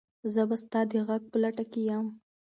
زه به ستا د غږ په لټه کې یم.